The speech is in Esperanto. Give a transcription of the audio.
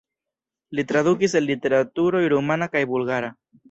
Li tradukis el literaturoj rumana kaj bulgara.